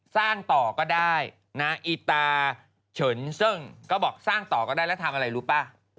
สร้างต่อก็ได้นะอีตาเฉินซึ่งก็บอกสร้างต่อก็ได้แล้วทำอะไรรู้ป่ะ